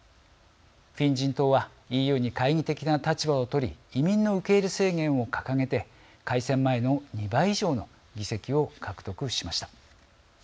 フィン人党はＥＵに懐疑的な立場をとり移民の受け入れ制限を掲げて改選前の２倍以上の議席を獲得しました。